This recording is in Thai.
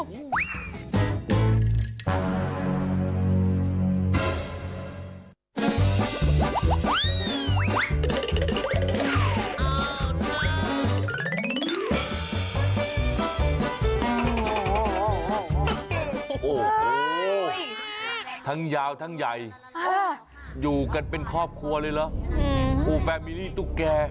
โอ้โหทั้งยาวทั้งใหญ่อยู่กันเป็นครอบครัวเลยเหรอคู่แฟมิลี่ตุ๊กแก่